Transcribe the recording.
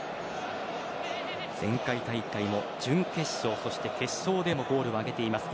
前回大会準決勝、そして決勝でもゴールを挙げています